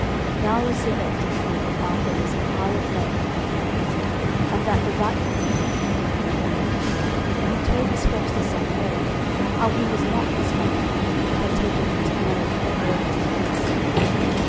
Now was Sir Ector sure that Arthur was of higher blood than had been thought, and that the rightful king had been made known. And he told his foster son all, how he was not his father, but had taken him to nourish at Merlin's request.